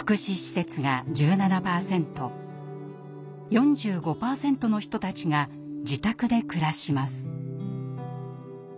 ４５％の人たちが自宅で暮らします。